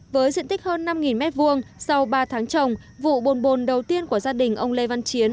với diện tích hơn năm m hai sau ba tháng trồng vụt bồn đầu tiên của gia đình ông lê văn chiến